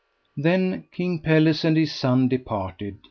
Then King Pelles and his son departed.